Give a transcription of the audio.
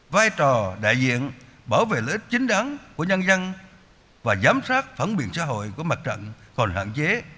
vai trò đại diện bảo vệ lợi ích chính đáng của nhân dân và giám sát phản biện xã hội của mặt trận còn hạn chế